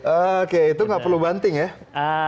oke itu nggak perlu banting ya